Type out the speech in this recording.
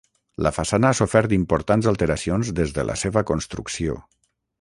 La façana ha sofert importants alteracions des de la seva construcció.